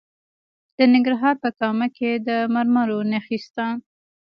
د ننګرهار په کامه کې د مرمرو نښې شته.